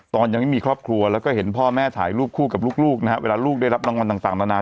ยังไม่มีครอบครัวแล้วก็เห็นพ่อแม่ถ่ายรูปคู่กับลูกนะฮะเวลาลูกได้รับรางวัลต่างนานา